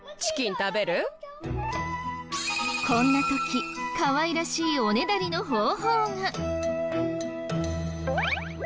こんな時かわいらしいおねだりの方法が。